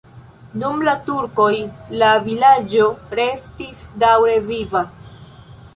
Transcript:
Dum la turkoj la vilaĝo restis daŭre viva.